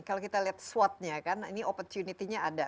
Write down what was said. kalau kita lihat swatnya kan ini opportunity nya ada